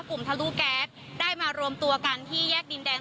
ทะลุแก๊สได้มารวมตัวกันที่แยกดินแดน